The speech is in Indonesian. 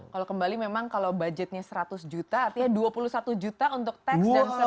kalau kembali memang kalau budgetnya seratus juta artinya dua puluh satu juta untuk teks dan sebagainya